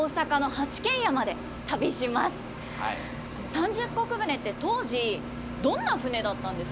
三十石船って当時どんな船だったんですか？